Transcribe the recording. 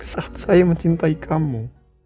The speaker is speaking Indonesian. saat saya mencintai kamu